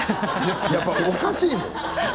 やっぱりおかしいもん。